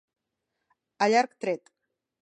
A llarg tret.